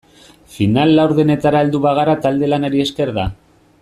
Final laurdenetara heldu bagara talde-lanari esker da.